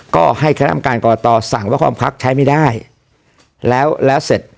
ก็ให้คณะกรรมการกรกตสั่งว่าความพักใช้ไม่ได้แล้วแล้วเสร็จ